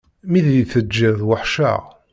Mi d iyi-teǧǧiḍ weḥceɣ.